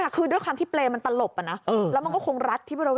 คือด้วยความที่เปรย์มันตลบแล้วมันก็คงรัดที่บริเวณ